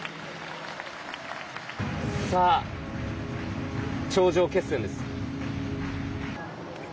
さあ、頂上決戦です。